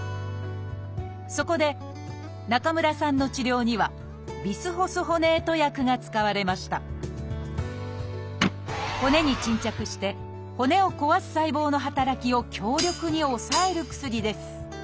そこで中村さんの治療にはビスホスホネート薬が使われました骨に沈着して骨を壊す細胞の働きを強力に抑える薬です。